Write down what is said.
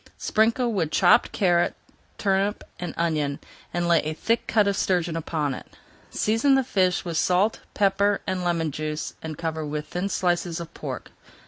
Sprinkle with chopped carrot, turnip, and onion, and lay a thick cut of sturgeon upon it. Season the fish with salt, pepper, and lemon juice, and cover with thin slices of pork.